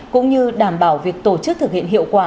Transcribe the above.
cũng như đảm bảo việc tổ chức thực hiện hiệu quả